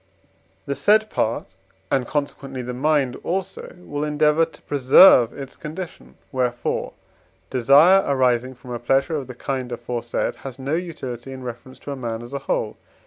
The said part, and, consequently, the mind also, will endeavour to preserve its condition. Wherefore desire arising from a pleasure of the kind aforesaid has no utility in reference to a man as a whole.